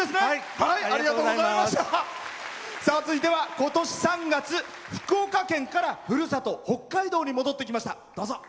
続いてはことし３月、福岡県からふるさと北海道に戻ってきました。